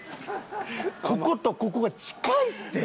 こことここが近いって！